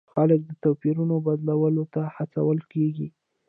خلک د توپیرونو بدلولو ته هڅول کیږي.